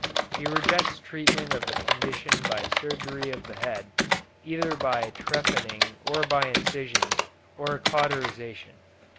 He rejects treatment of the condition by surgery of the head, either by trephining or by incisions, or cauterization.